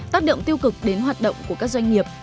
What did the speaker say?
tác động tiêu cực đến hoạt động của các doanh nghiệp